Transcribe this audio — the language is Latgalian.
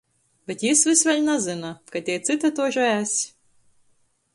Bet jis vys vēļ nazyna, ka tei cyta tože es...